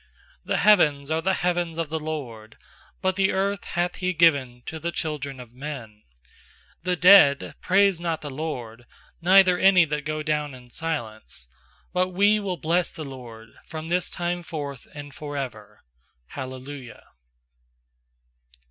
16The heavens are the heavens of the LORD: But the earth hath He given to th< children of men. 17The dead praise not the LORD, Neither any that go down intc silence; 18But we will bless the LORD From this time forth and for ever. Hallelujah.